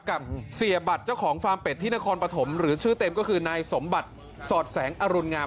กับเสียบัตรเจ้าของฟาร์มเป็ดที่นครปฐมหรือชื่อเต็มก็คือนายสมบัติสอดแสงอรุณงาม